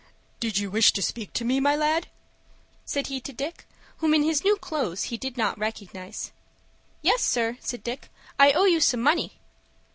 "Did you wish to speak to me, my lad?" said he to Dick, whom in his new clothes he did not recognize. "Yes, sir," said Dick. "I owe you some money."